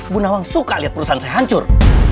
bu nawang suka lihat perusahaan saya hancur